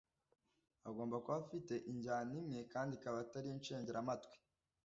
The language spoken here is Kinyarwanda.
agomba kuba afite injyana imwe kandi ikaba Atari incengeramatwi